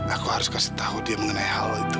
aku harus kasih tahu dia mengenai hal itu